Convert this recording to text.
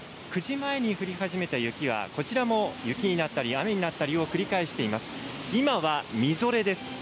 ９時前に降り始めた雪はこちらも、雪になったり雨になったりを繰り返しています。